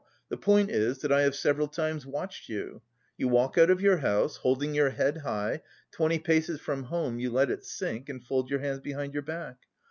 The point is that I have several times watched you. You walk out of your house holding your head high twenty paces from home you let it sink, and fold your hands behind your back.